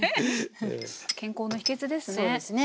健康の秘けつですね。